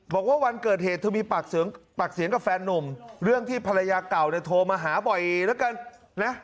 บอกว่าวันเกิดเหตุเธอมีปากเสียงปากเสียงกับแฟนนุ่มเรื่องที่ภรรยาเก่าเนี่ยโทรมาหาบ่อยแล้วกันนะ